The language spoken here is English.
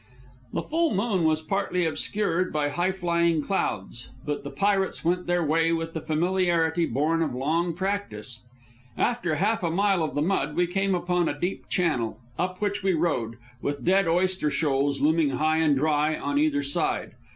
The full moon was partly obscured by high flying clouds, but the pirates went their way with the familiarity born of long practice. After half a mile of the mud, we came upon a deep channel, up which we rowed, with dead oyster shoals looming high and dry on either side.